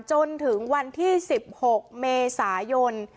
จนถึงวันที่๑๖เมษายน